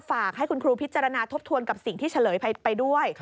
ฝากให้คุณครูพิจารณาทบทวนกับสิ่งที่เฉลยไปด้วย